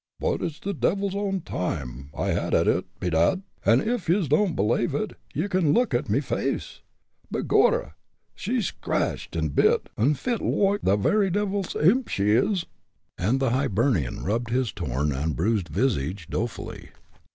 "But it's the devil's own time I had at it, bedad, an' if yez don't b'lave it ye kin look at me face. Begorra! she scratched an' bit an' fit loike tha very devil's imp she is!" and the Hibernian rubbed his torn and bruised visage dolefully.